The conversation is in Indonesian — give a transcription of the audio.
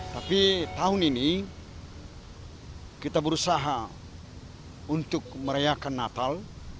tapi tahun ini kita berusaha untuk merayakan natal